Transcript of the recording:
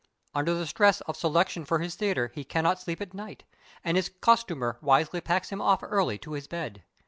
Under the stress of selection for his theatre he cannot sleep at night, and his costumer wisely packs him off early to his bed.